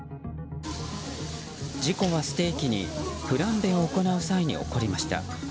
事故はステーキにフランベを行う際に起きました。